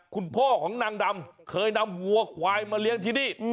คุณพ่อของนางดำเคยนำวัวควายมาเลี้ยงที่นี่